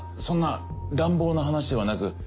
そんな乱暴な話ではなく。